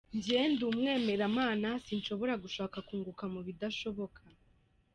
Njye ndi umwemeramana sinshobora gushaka kwunguka mu bidashoboka.